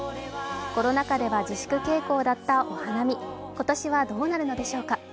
コロナ禍では自粛傾向だったお花見、今年はどうなるのでしょうか。